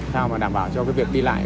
theo mà đảm bảo cho việc đi lại